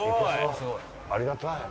ありがたい。